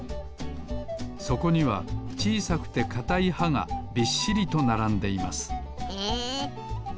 そこにはちいさくてかたいはがびっしりとならんでいますへえ！